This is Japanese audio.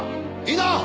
いいな！